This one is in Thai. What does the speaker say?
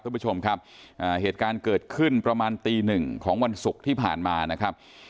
คุณผู้ชมครับเหตุการณ์เกิดขึ้นประมาณตีหนึ่งของวันศุกร์ที่ผ่านมานะครับ